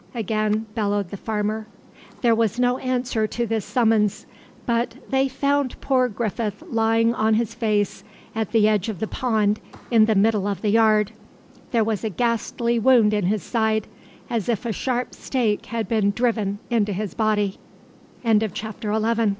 again bellowed the farmer. There was no answer to this summons. But they found poor Griffith lying on his face at the edge of the pond in the middle of the yard. There was a ghastly wound in his side, as if a sharp stake had been driven into his body. CHAPTER XII.